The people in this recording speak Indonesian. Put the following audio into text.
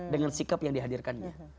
dengan sikap yang dihadirkannya